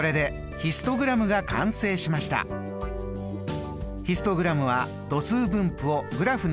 ヒストグラムは度数分布をグラフにしたものです。